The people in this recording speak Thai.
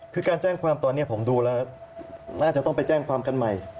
คือการแจ้งความตอนนี้ผมดูแล้วน่าจะต้องไปแจ้งความกันใหม่